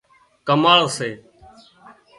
ڪماۯ سي